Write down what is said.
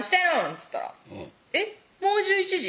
っつったら「えっもう１１時？